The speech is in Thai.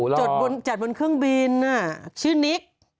เฮียมาตลอดนะจัดบนเครื่องบินชื่อนิก